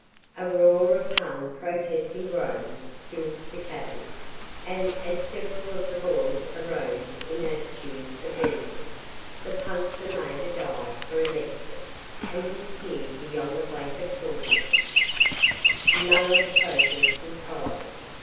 A roar of pun protesting groans filled the cavern, and as several of the boys arose in attitudes of vengeance, the punster made a dive for the exit and disappeared beyond the blanket portiere. None of the protestors followed.